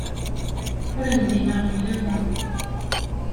Ur ndimeɣ fell-awen.